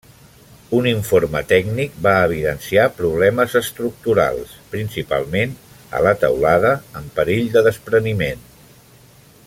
Un informe tècnic va evidenciar problemes estructurals, principalment a la teulada amb perill de despreniment.